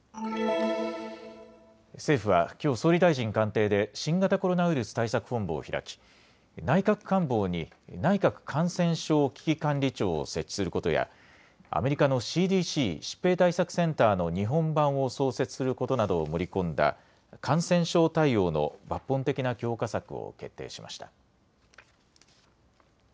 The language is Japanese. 政府はきょう総理大臣官邸で新型コロナウイルス対策本部を開き内閣官房に内閣感染症危機管理庁を設置することやアメリカのＣＤＣ・疾病対策センターの日本版を創設することなどを盛り込んだ感染症対応の抜本的な強化策を決定しました。